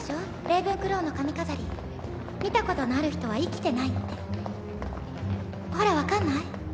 レイブンクローの髪飾り見たことのある人は生きてないってほら分かんない？